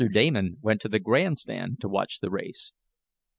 Damon went to the grandstand to watch the race.